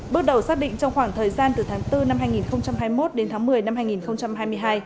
bước đầu xác định trong khoảng thời gian từ tháng bốn năm hai nghìn hai mươi một đến tháng một mươi năm hai nghìn hai mươi hai